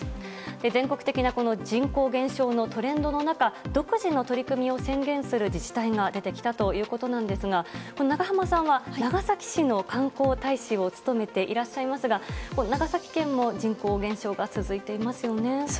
全国的な人口減少のトレンドの中独自の取り組みを宣言する自治体が出てきたということなんですが長濱さんは、長崎市の観光大使を務めていらっしゃいますが長崎県も人口減少が続いていますよね。